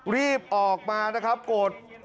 รีบออกมานะครับโกรธ